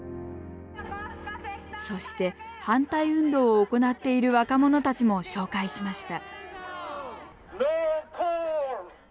そして、反対運動を行っている若者たちも紹介しました。